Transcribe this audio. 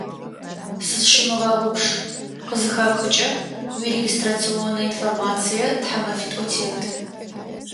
«Сызщымыгъэгъупш» къызыхэпхыкӏэ уирегистрационнэ информацие тхьэмэфитӏо теты.